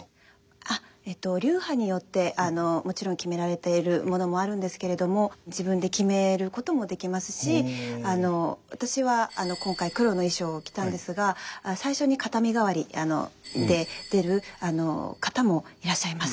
流派によってもちろん決められているものもあるんですけれども自分で決めることもできますし私は今回黒の衣裳を着たんですが最初に片身替わりで出る方もいらっしゃいます。